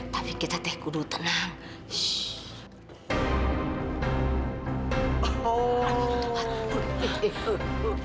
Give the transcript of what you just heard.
teman temanku belum tree yangobi